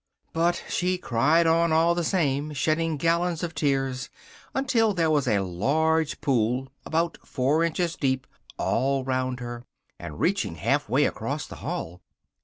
But she cried on all the same, shedding gallons of tears, until there was a large pool, about four inches deep, all round her, and reaching half way across the hall.